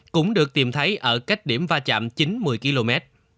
cũng được tìm thấy ở cách điểm va chạm chín mươi km